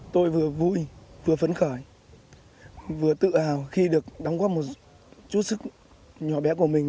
tôi vừa vui vừa phấn khởi vừa tự hào khi được đóng góp một chút sức nhỏ bé của mình